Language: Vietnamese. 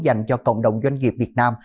dành cho cộng đồng doanh nghiệp việt nam